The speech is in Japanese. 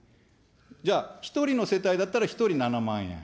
じゃあ、１人の世帯だったら１人７万円。